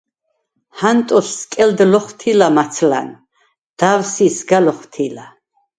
ჰანტოს სკელდ ლოხვთი̄ლა მაცლა̈ნ. და̄̈ვსი̄ სგა ლოხვთი̄ლა.